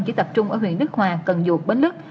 chỉ tập trung ở huyện nước hòa cần duộc bến lức